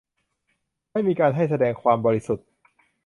ไม่มีการให้แสดงความบริสุทธิ์